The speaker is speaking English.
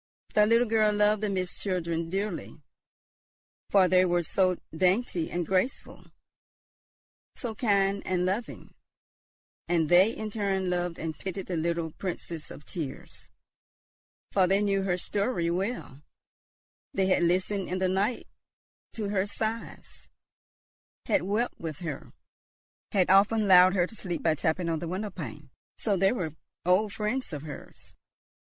The little girl loved the Mist children dearly, for they were so dainty and graceful, so kind and loving. And they in return loved and pitied the little "Princess of tears," for they knew her story well; they had listened in the night to her sighs, had wept with her, had often lulled her to sleep by tapping on the window pane. So they were old friends of hers.